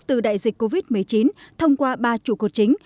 từ đại dịch covid một mươi chín thông qua ba chủ cột chính